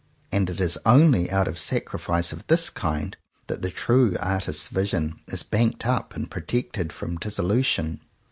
And it is only out of sacrifice of this kind that the true artist's vision is banked up and protected from dissolution.